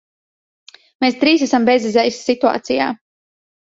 Mēs trīs esam bezizejas situācijā.